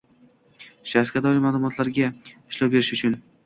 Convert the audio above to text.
Shaxsga doir maxsus ma’lumotlarga ishlov berish uchun